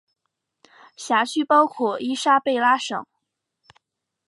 辖区包括伊莎贝拉省。